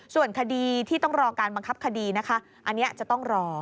ส่วนคดีที่ต้องรอการบังคับคดีนะคะอันนี้จะต้องรอ